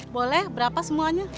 boleh berapa semuanya